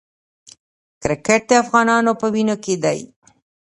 کرکټ د افغانانو په وینو کې دی.